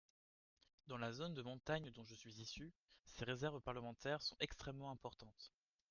Dans la zone de montagne dont je suis issu, ces réserves parlementaires sont extrêmement importantes.